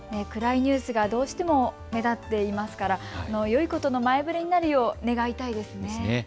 暗いニュースがどうしても目立っていますからよいことの前触れになるよう願いたいですね。